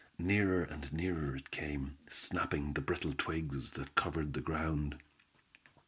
Nearer and nearer it came, snapping the brittle twigs that covered the ground.